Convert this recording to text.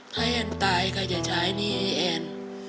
ถ้าแอนตายใครจะใช้หนี้ให้แอน